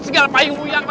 hati hati sini jangan